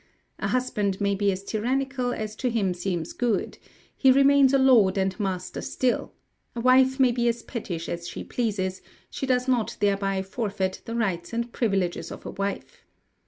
A husband may be as tyrannical as to him seems good; he remains a lord and master still; a wife may be as pettish as she pleases; she does not thereby forfeit the rights and privileges of a wife.